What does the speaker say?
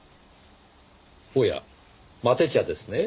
おやマテ茶ですね？